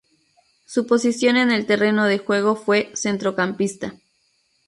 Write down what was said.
Su posición en el terreno de juego fue centrocampista.